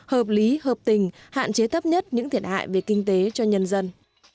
hợp lý hợp tình hạn chế thấp nhất những thiệt hại về kinh tế cho nhân dân